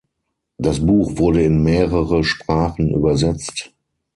Das Buch wurde in mehrere Sprachen übersetzt.